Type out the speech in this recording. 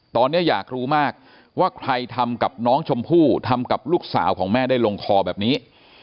ตอนนี้อยากรู้มากว่าใครทำกับน้องชมพู่ทำกับลูกสาวของแม่ได้ลงคอแบบนี้